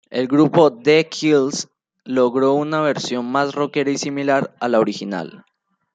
El Grupo The Kills logró una versión más roquera y similar a la original.